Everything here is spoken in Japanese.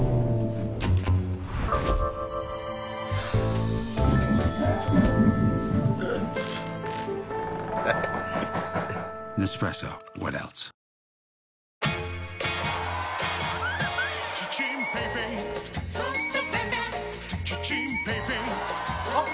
あっ！